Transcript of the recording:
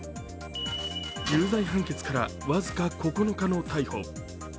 有罪判決から僅か９日の逮捕。